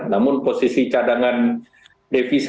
namun posisi cadangan defisit